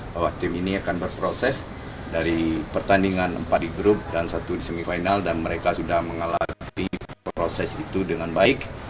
bahwa tim ini akan berproses dari pertandingan empat di grup dan satu di semifinal dan mereka sudah mengalami proses itu dengan baik